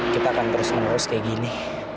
kita akan terus menerus kayak gini